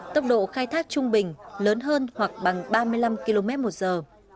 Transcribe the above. tốc độ khai thác trung bình lớn hơn hoặc bằng ba mươi năm km một giờ